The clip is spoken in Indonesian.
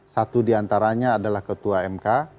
satu diantaranya adalah ketua mk